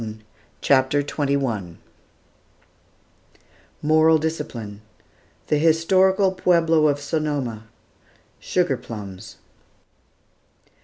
"] CHAPTER XXI MORAL DISCIPLINE THE HISTORICAL PUEBLO OF SONOMA SUGAR PLUMS.